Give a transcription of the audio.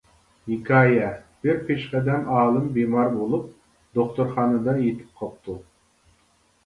ھېكايە، بىر پېشقەدەم ئالىم بىمار بولۇپ، دوختۇرخانىدا يېتىپ قاپتۇ.